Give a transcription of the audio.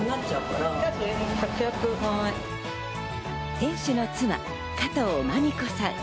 店主の妻・加藤麻美子さん。